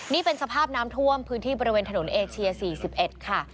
นี่เป็นสภาพน้ำท่วมพื้นที่บริเวณถนนเอเชีย๔๑ค่ะ